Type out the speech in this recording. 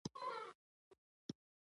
قلم د شهیدانو کیسې لیکي